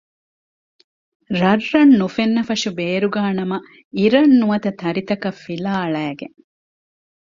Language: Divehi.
ރަށްރަށް ނުފެންނަފަށު ބޭރުގައި ނަމަ އިރަށް ނުވަތަ ތަރިތަކަށް ފިލާ އަޅައިގެން